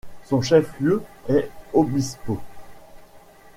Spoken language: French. Son chef-lieu est Obispos.